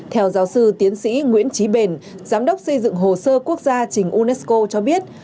theo giáo sư tiến sĩ nguyễn trí bền giám đốc xây dựng hồ sơ quốc gia trình unesco cho biết